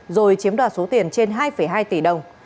rồi chiếm đoạt số tiền trên hai hai tỷ đồng